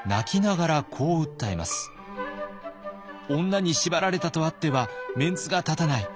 「女に縛られたとあってはメンツが立たない。